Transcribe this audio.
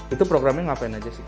itu programnya ngapain aja sih